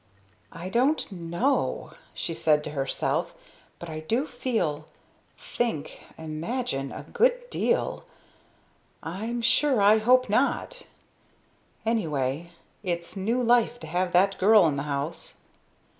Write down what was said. "I don't know," she said to herself, "but I do feel think imagine a good deal. I'm sure I hope not! Anyway it's new life to have that girl in the house."